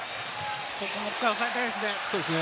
もう１回抑えたいですね。